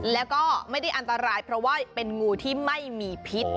แล้วก็ไม่ได้อันตรายเพราะว่าเป็นงูที่ไม่มีพิษ